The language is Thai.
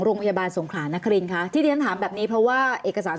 โรงพยาบาลสงขลานครินค่ะที่เรียนถามแบบนี้เพราะว่าเอกสาร